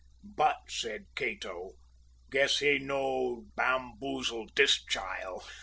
`But,' said Cato, `guess he no bamboozle dis chile!'